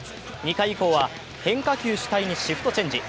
２回以降は変化球主体にシフトチェンジ。